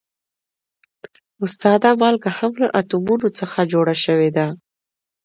استاده مالګه هم له اتومونو څخه جوړه شوې ده